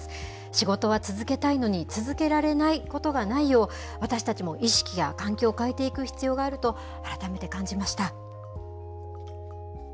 仕事は続けたいのに続けられないことがないよう、私たちも意識や環境を変えていく必要があると、改めて感じました。